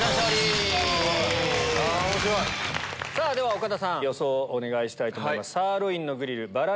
では岡田さん予想お願いしたいと思います。